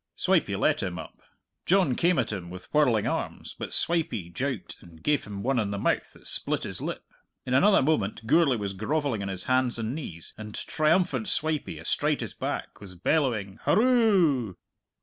Swipey let him up. John came at him with whirling arms, but Swipey jouked and gave him one on the mouth that split his lip. In another moment Gourlay was grovelling on his hands and knees, and triumphant Swipey, astride his back, was bellowing "Hurroo!"